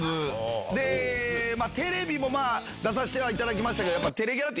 テレビもまぁ出さしてはいただきましたけど。